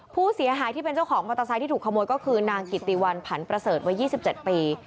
ผู้เสียหายที่เป็นเจ้าของมอเตอร์ไซค์ที่ถูกขโมยก็คือนางกิติวันผันประเสริฐวัย๒๗ปี